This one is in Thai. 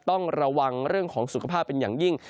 ต้องระวังเรื่องของสุขภาพเป็นอย่างยิ่ง